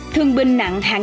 thương binh nặng hàng đồng